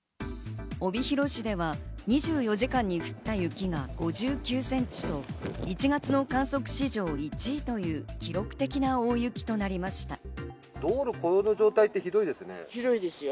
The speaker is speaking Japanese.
帯広市では２４時間に降った雪が５９ｃｍと１月の観測史上１位という記録的な大雪となりました。